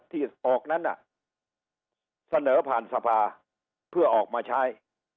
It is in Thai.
ที่ออกนั้นน่ะเสนอผ่านสภาเพื่อออกมาใช้